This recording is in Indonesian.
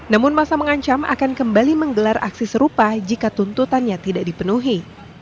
namun masa mengancam akan kembali menggelar aksi serupa jika tuntutannya tidak dipenuhi